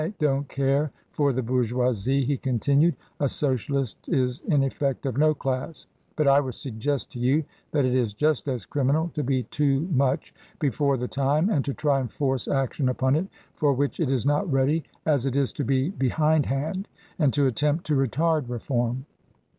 don't care for the Bourgeoisie," he continued ;" a Socialist is, in effect, of no class. But I would suggest to you that it is just as criminal to be too much before the time and to try and force action upon it for which it is not ready, as it is to be behindhand and to attempt to retard reform."